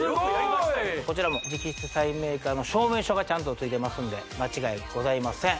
こちらも直筆サインメーカーの証明書がちゃんとついてますんで間違いございません